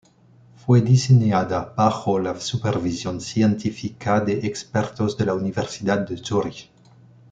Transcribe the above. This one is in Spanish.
Fue diseñada bajo la supervisión científica de expertos de la Universidad de Zúrich.